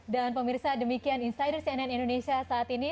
dan pemirsa demikian insider cnn indonesia saat ini